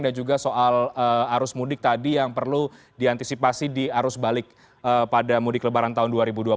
dan juga soal arus mudik tadi yang perlu diantisipasi di arus balik pada mudik lebaran tahun dua ribu dua puluh dua